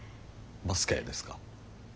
バスケですか？